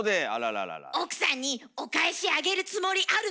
奥さんにお返しあげるつもりあるの？